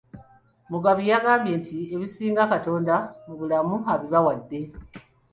Mugabi yagambye nti ebisinga Katonda mu bulamu abibawadde